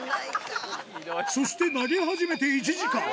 そして投げ始めて１時間。